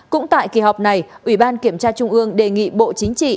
năm cũng tại kỳ họp này ủy ban kiểm tra trung ương đề nghị bộ chính trị